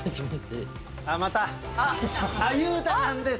また、裕太さんです。